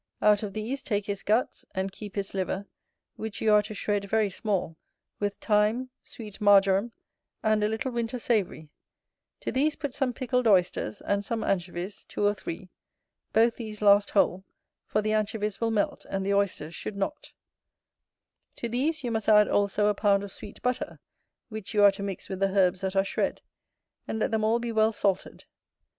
Out of these, take his guts; and keep his liver, which you are to shred very small, with thyme, sweet marjoram, and a little winter savoury; to these put some pickled oysters, and some anchovies, two or three; both these last whole, for the anchovies will melt, and the oysters should not; to these, you must add also a pound of sweet butter, which you are to mix with the herbs that are shred, and let them all be well salted.